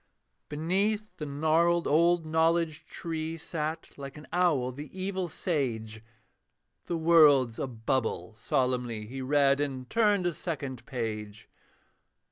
Beneath the gnarled old Knowledge tree Sat, like an owl, the evil sage: 'The World's a bubble,' solemnly He read, and turned a second page.